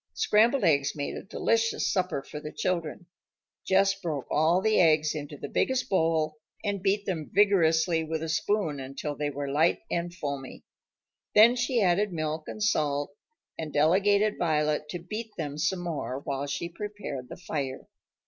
Scrambled eggs made a delicious supper for the children. Jess broke all the eggs into the biggest bowl and beat them vigorously with a spoon until they were light and foamy. Then she added milk and salt and delegated Violet to beat them some more while she prepared the fire.